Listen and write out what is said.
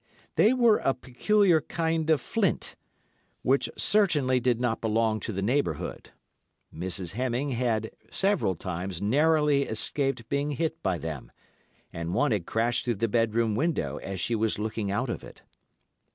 They were a peculiar kind of flint, which certainly did not belong to the neighbourhood. Mrs. Hemming had several times narrowly escaped being hit by them, and one had crashed through the bedroom window as she was looking out of it.